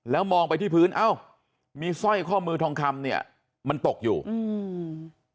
แล้วมองไปที่พื้นเอ้ามีสร้อยข้อมือทองคำเนี้ยมันตกอยู่อืม